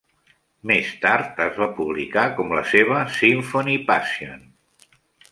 Més tard, es va publicar com la seva "Symphonie-Passion".